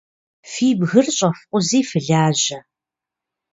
Фи бгыр щӏэфкъузи фылажьэ.